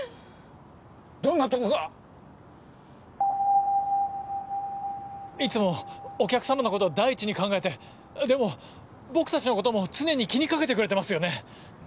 どんなとこが？いつもお客様のことを第一に考えてでも僕たちのことも常に気に掛けてくれてますよね。